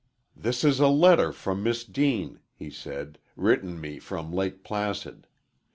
"This is a letter from Miss Deane," he said, "written me from Lake Placid.